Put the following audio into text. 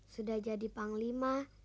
sudah jadi panglima